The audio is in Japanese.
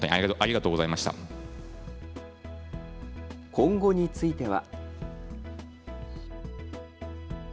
今後については。